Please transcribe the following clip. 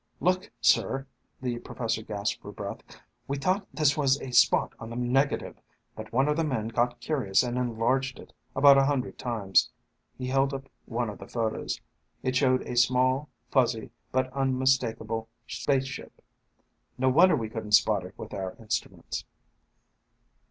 "Look, sir," the professor gasped for breath. "We thought this was a spot on the negative, but one of the men got curious and enlarged it about a hundred times." He held up one of the photos. It showed a small, fuzzy, but unmistakable spaceship. "No wonder we couldn't spot it with our instruments."